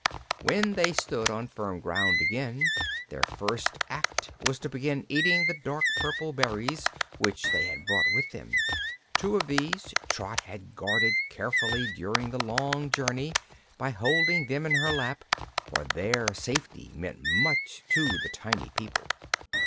When they stood on firm ground again their first act was to begin eating the dark purple berries which they had brought with them. Two of these Trot had guarded carefully during the long journey, by holding them in her lap, for their safety meant much to the tiny people.